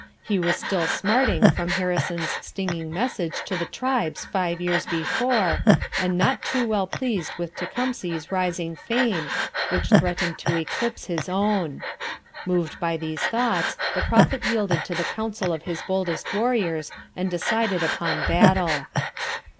He was still smarting from Harrison's stinging message to the tribes five years before, and not too well pleased with Tecumseh's rising fame, which threatened to eclipse his own. Moved by these thoughts, the Prophet yielded to the counsel of his boldest warriors and decided upon battle.